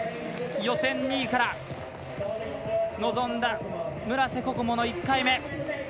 予選２位から臨んだ村瀬心椛の１回目。